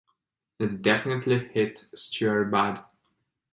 It definitely hit Stuart bad.